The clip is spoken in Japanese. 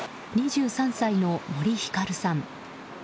２３歳の森ひかるさん。